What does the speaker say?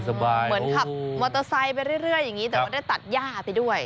เหมือนขับมอเตอร์ไซค์ไปเรื่อยอย่างนี้แต่ว่าได้ตัดย่าไปด้วย